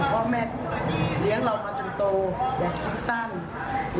ว่าแม่เลี้ยงเรามาจนโตอย่าคิดสั้น